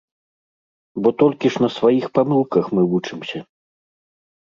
Бо толькі ж на сваіх памылках мы вучымся.